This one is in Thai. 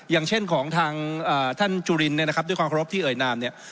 อย่างเช่นของทางท่านจุลินเนี่ยนะครับด้วยความเคารพที่เอ่ยนามเนี่ย